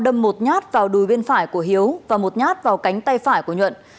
đâm một nhát vào đùi bên phải của hiếu và một nhát vào cánh tay phải của nhuận